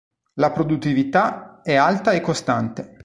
La produttività è alta e costante.